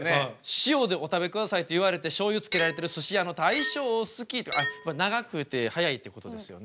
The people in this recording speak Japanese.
塩でお食べくださいって言われてしょうゆつけられてるすし屋の大将好きって長くて速いってことですよね。